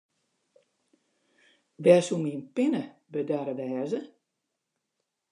Wêr soe myn pinne bedarre wêze?